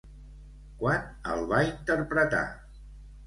Quan el va interpretar?